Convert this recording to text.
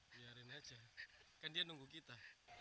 biarin aja kan dia nunggu kita